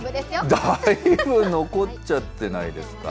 だいぶ残っちゃってないですか？